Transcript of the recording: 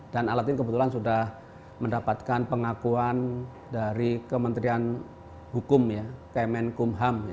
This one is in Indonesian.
dan alat ini kebetulan sudah mendapatkan pengakuan dari kementerian hukum kemenkumham